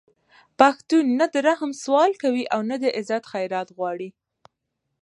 پښتون نه د رحم سوال کوي او نه د عزت خیرات غواړي